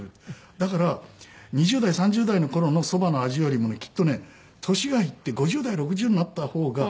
だから２０代３０代の頃のそばの味よりもきっとね年がいって５０代６０になった方が絶対おいしい。